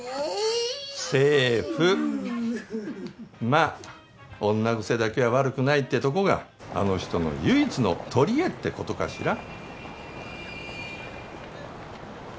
まあ女癖だけは悪くないってとこがあの人の唯一の取りえって事かしら。